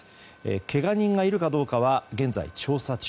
けが人がいるかどうかは現在調査中。